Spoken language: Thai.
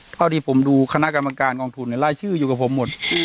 เท่าที่ผมดูคณะกรรมการกองทุนรายชื่ออยู่กับผมหมด